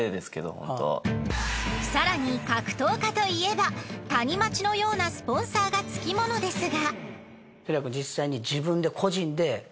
更に格闘家といえばタニマチのようなスポンサーが付き物ですが。